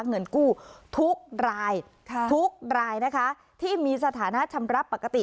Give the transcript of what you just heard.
เงินกู้ทุกรายทุกรายนะคะที่มีสถานะชำระปกติ